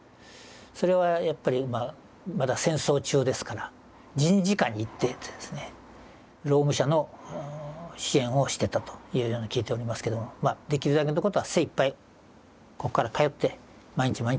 それはやっぱりまだ戦争中ですから人事課に行っててですね労務者の支援をしてたというように聞いておりますけどもできるだけのことは精いっぱいここから通って毎日毎日やってたわけですね。